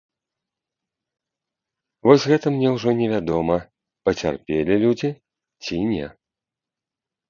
Вось гэта мне ўжо невядома, пацярпелі людзі ці не.